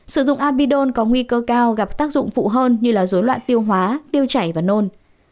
sử dụng abidon có nguy cơ cao gặp tác dụng phụ hơn như dối loạn tiêu hóa tiêu chảy và nôn